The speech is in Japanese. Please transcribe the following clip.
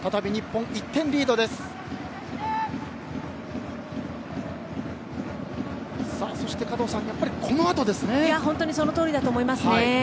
本当にそのとおりだと思います。